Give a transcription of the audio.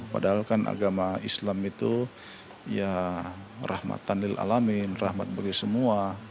padahal kan agama islam itu ya rahmatan lil'alamin rahmat bagi semua